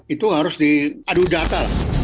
itu harus diadu data